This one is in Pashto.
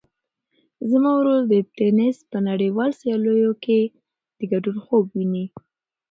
زما ورور د تېنس په نړیوالو سیالیو کې د ګډون خوب ویني.